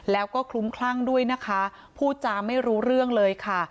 แล้วก็คลุ้มคลั่งด้วยนะคะพูดจาไม่รู้เรื่องเลยค่ะ